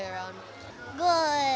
karena itu gelap